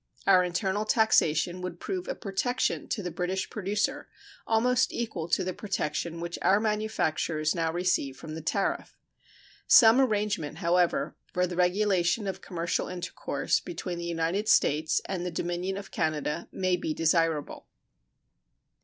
Our internal taxation would prove a protection to the British producer almost equal to the protection which our manufacturers now receive from the tariff. Some arrangement, however, for the regulation of commercial intercourse between the United States and the Dominion of Canada may be desirable.